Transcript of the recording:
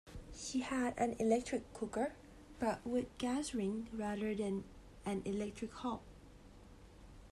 She had an electric cooker, but with gas rings rather than an electric hob